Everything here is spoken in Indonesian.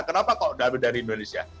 kenapa kok dari indonesia